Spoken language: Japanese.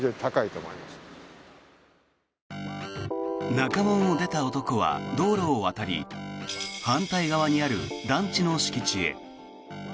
中門を出た男は道路を渡り反対側にある団地の敷地へ。